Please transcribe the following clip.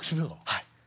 はい。